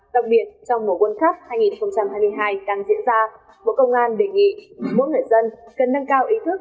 đặc biệt trong mùa world cup hai nghìn hai mươi hai đang diễn ra bộ công an đề nghị mỗi người dân cần nâng cao ý thức